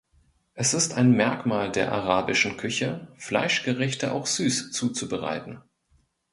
Es ist ein Merkmal der arabischen Küche, Fleischgerichte auch süß zuzubereiten.